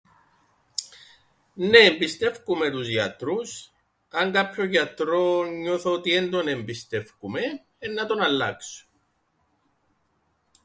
Νναι εμπιστεύκουμαι τους γιατρούς. Αν κάποιον γιατρόν νιώθω ότι εν τον εμπιστεύκουμαι, εννά τον αλλάξω.